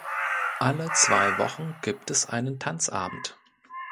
Alle zwei Wochen gibt es einen Tanzabend.